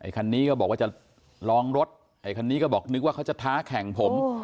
คันนี้ก็บอกว่าจะลองรถไอ้คันนี้ก็บอกนึกว่าเขาจะท้าแข่งผม